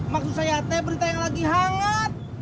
maksud saya berita yang lagi hangat